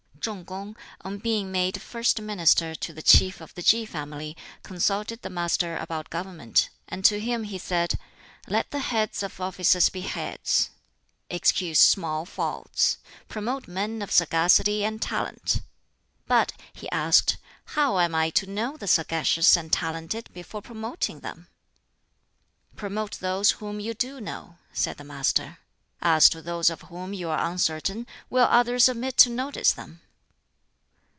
Chung kung, on being made first minister to the Chief of the Ki family, consulted the Master about government, and to him he said, "Let the heads of offices be heads. Excuse small faults. Promote men of sagacity and talent." "But," he asked, "how am I to know the sagacious and talented, before promoting them?" "Promote those whom you do know," said the Master. "As to those of whom you are uncertain, will others omit to notice them?"